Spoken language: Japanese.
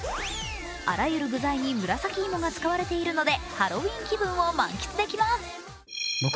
あらゆる具材に紫芋が使われているので、ハロウィーン気分を満喫できます。